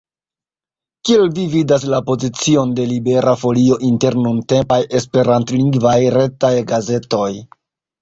Kiel vi vidas la pozicion de Libera Folio inter nuntempaj esperantlingvaj retaj gazetoj?